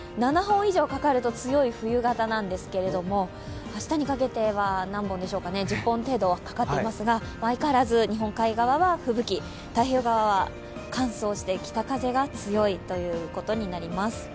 ７本以上かかると強い冬型なんですけれども、明日にかけては１０本程度はかかっていますが、相変わらず日本海側は吹雪、太平洋側は乾燥して北風が強いということになります。